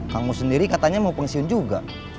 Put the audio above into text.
kang mus sendiri katanya mau pensiun juga